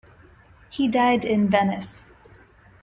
He died in Venice.